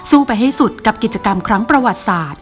ไปให้สุดกับกิจกรรมครั้งประวัติศาสตร์